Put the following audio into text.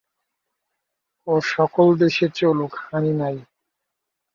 ও-সকল দেশে চলুক, হানি নাই।